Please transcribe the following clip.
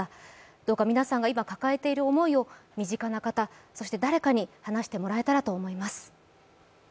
どうか皆さんが今、抱えている思いを身近な方、そして誰かに話してもらえたらと思います。